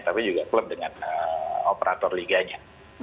tapi juga klub dengan operatornya